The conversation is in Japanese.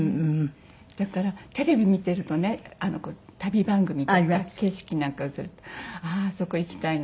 だからテレビ見てるとね旅番組とか景色なんか映るとあああそこ行きたいな。